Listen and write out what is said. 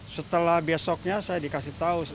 setelah besoknya saya dikasih tahu